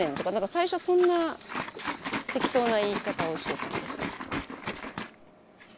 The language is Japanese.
最初はそんな適当な言い方をしてたんですね。